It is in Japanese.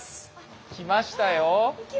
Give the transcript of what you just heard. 来ましたよ。